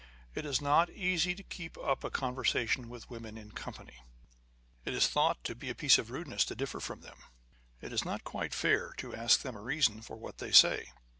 It is not easy to keep up a conversation with women in company. It is thought a piece of rudeness to differ from them : it is not quite fail to ask them a reason for what they say.